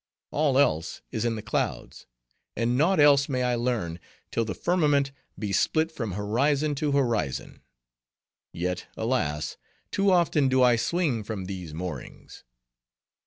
All else is in the clouds; and naught else may I learn, till the firmament be split from horizon to horizon. Yet, alas! too often do I swing from these moorings."